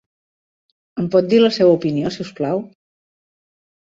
Em pot dir la seva opinió, si us plau?